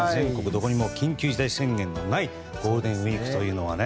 どこにも緊急事態宣言のないゴールデンウィークというのは。